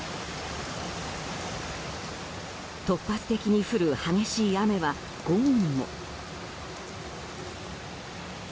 突発的に降る激しい雨は午後にも。